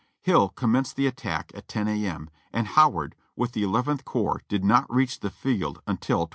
Hill commenced the attack at 10 A. M.. and Howard, with the Eleventh Corps, did not reach the field until 12.